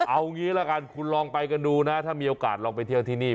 เอางี้ละกันคุณลองไปกันดูนะถ้ามีโอกาสลองไปเที่ยวที่นี่